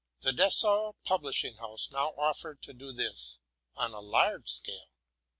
The Dessau publishing house now offered to do this on a large scale.